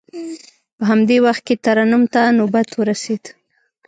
په همدې وخت کې ترنم ته نوبت ورسید.